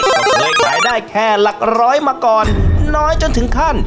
ก็เคยขายได้แค่หลักร้อยมาก่อนน้อยจนถึงขั้น